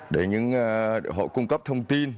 để những hội cung cấp thông tin